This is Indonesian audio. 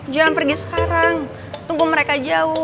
jangan pergi sekarang tunggu mereka jauh